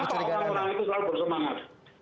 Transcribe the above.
orang orang itu selalu bersemangat